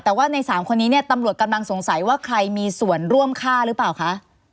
แต่ว่าใน๓คนนี้เนี่ยตำรวจกำลังสงสัยว่าใครมีส่วนร่วมฆ่าหรือเปล่าคะ